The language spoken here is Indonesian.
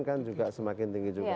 kan juga semakin tinggi juga